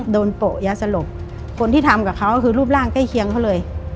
โปะยาสลบคนที่ทำกับเขาคือรูปร่างใกล้เคียงเขาเลย